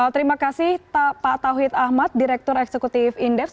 terima kasih pak tauhid ahmad direktur eksekutif indefs